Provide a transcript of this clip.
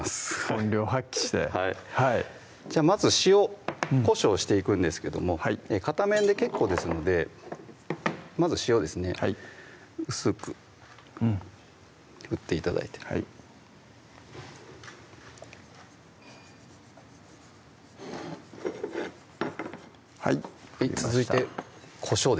本領発揮してはいじゃあまず塩・こしょうしていくんですけども片面で結構ですのでまず塩ですね薄く振って頂いてはいはいできました